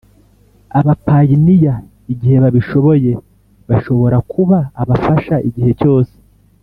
Abapayiniya igihe babishoboye bashobora kuba abafasha igihe cyose